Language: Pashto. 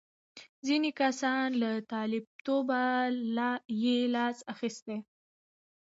ځینې کسان له طالبتوبه یې لاس اخیستی دی.